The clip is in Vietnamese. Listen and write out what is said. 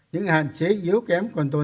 những hạn chế yếu kém còn tổn thương